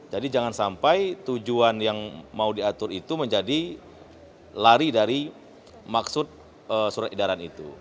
jadi jangan sampai tujuan yang mau diatur itu menjadi lari dari maksud surat idaran itu